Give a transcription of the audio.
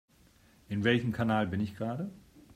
In welchem Kanal bin ich gerade?